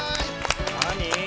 何？